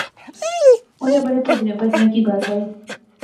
انیں بڑے بچنیاں بچنیاں کی گل بائی